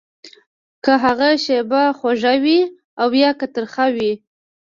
که هغه شېبه خوږه وي او يا که ترخه وي.